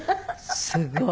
すごい。